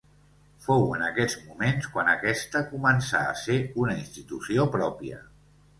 Fou en aquests moments quan aquesta començà a ser una institució pròpia.